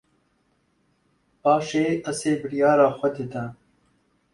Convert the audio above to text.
Paşê Esê biryara xwe dide